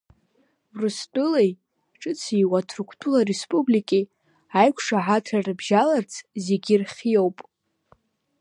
Урыстәылеи ҿыц ииуа Ҭырқәтәыла ареспубликеи аиқәшаҳаҭра рыбжьаларц зегьы рхиоуп.